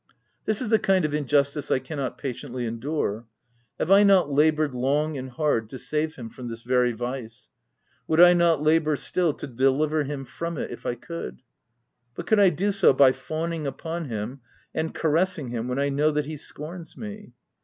This is a kind of injustice I cannot patiently endure. Have I not laboured long and hard to save him from this very vice ? would I not labour still, to deliver him from it, if I could 1 But could I do so by fawning upon him and caressing him when I know that he scorns me